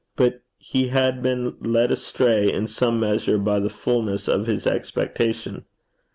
But he had been led astray in some measure by the fulness of his expectation.